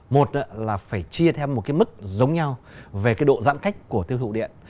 một là phải chia theo một cái mức giống nhau về cái độ giãn cách của tiêu thụ điện